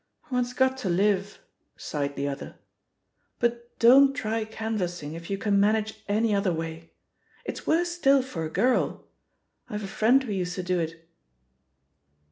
"One's got to live," sighed the other. "But don't try canvassing if you can manage any other way. It's worse still for a girl — ^I've a friend who used to do it."